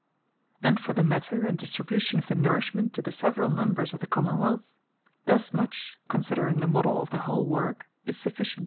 And for the Matter, and Distribution of the Nourishment, to the severall Members of the Common wealth, thus much (considering the modell of the whole worke) is sufficient.